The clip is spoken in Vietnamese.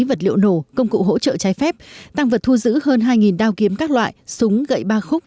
vật liệu nổ công cụ hỗ trợ trái phép tăng vật thu giữ hơn hai đao kiếm các loại súng gậy ba khúc